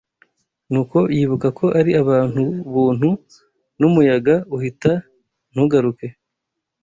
Nuko yibuka ko ari abantu buntu, n’umuyaga uhita ntugaruke